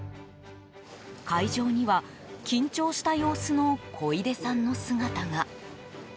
会場には、緊張した様子の小出さんの姿が。